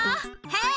はい。